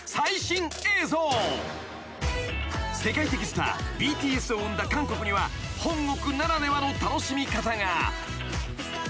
［世界的スターＢＴＳを生んだ韓国には本国ならではの楽しみ方が］